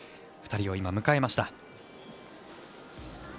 ２人を今、迎えました。